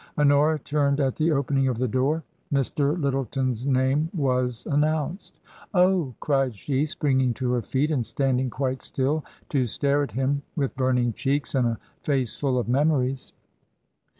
Honora turned at the opening of the door. Mr. Lyttleton's name was announced. " Oh !" cried she, springing to her feet and standing quite still to stare at him with burning cheeks and a &ce full of memories.